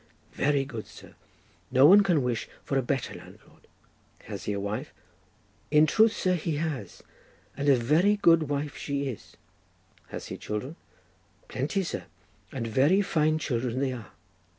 "Very good, sir; no one can wish for a better landlord." "Has he a wife?" "In truth, sir, he has; and a very good wife she is." "Has he children?" "Plenty, sir; and very fine children they are."